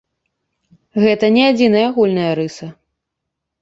Гэта не адзіная агульная рыса.